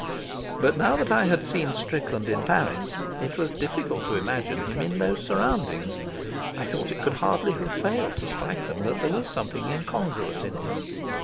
But now that I had seen Strickland in Paris it was difficult to imagine him in those surroundings. I thought it could hardly have failed to strike them that there was something incongruous in him.